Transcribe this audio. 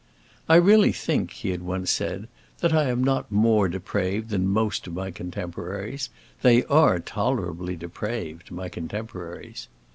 "I really think," he had once said, "that I am not more depraved than most of my contemporaries. They are tolerably depraved, my contemporaries!"